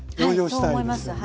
はいそう思います。